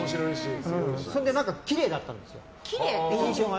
それで何かきれいだったんですよ、印象が。